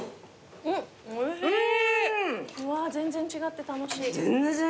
おいしい。